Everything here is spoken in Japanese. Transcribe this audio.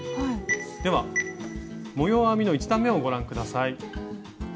では模様編みの１段めをご覧下さい。